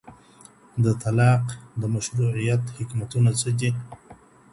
د طلاق د مشروعيت حکمتونه څه دي؟